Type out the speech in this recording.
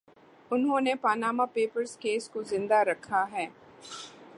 انھوں نے Panama papers case کو زندہ رکھا ہے۔